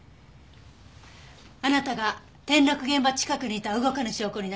あなたが転落現場近くにいた動かぬ証拠になります。